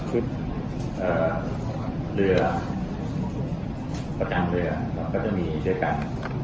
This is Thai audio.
เหลือกระทั่งเรือก็จะมีด้วยกัน